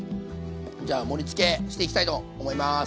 じゃあ盛りつけしていきたいと思います。